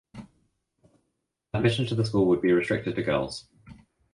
Admission to the school would be restricted to girls.